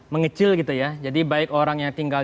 mengecil gitu ya jadi baik orang yang tinggal